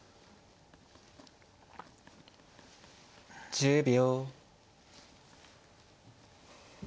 １０秒。